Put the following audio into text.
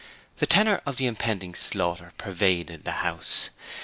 The tenor of the impending slaughter pervaded the house.